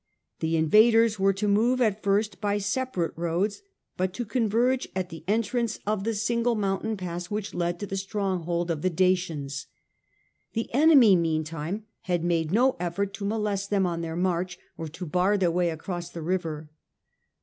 The invaders were to move at first by separate roads, but to converge at the entrance of the single mountain pass which led to the stronghold of the Dacians. The enemy, meantime, had made no effort to molest them on their march, or to bar their way across the river.